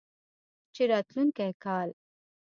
چې راتلونکی کال